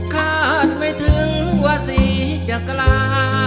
คาดไม่ถึงว่าสีจะกล้า